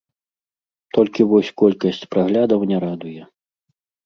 Толькі вось колькасць праглядаў не радуе.